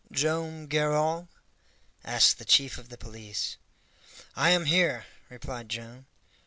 "Joam Garral?" asked the chief of the police. "I am here," replied Joam.